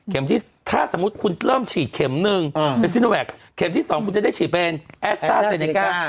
แข่มที่ถ้าสมมติคุณเริ่มฉีดแข่มนึงแข่มที่๒ทีมีเป็นแอสท่าสีลิก้า